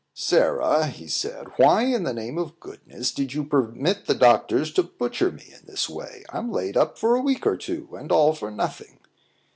"Sarah," he said, "why, in the name of goodness, did you permit the doctors to butcher me in this way? I'm laid up for a week or two, and all for nothing."